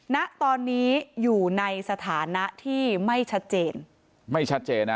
ณตอนนี้อยู่ในสถานะที่ไม่ชัดเจนไม่ชัดเจนนะ